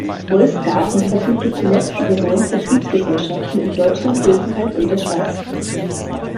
Wolf-Garten verfügte zuletzt über neun Vertriebsgesellschaften in Deutschland, Österreich und der Schweiz.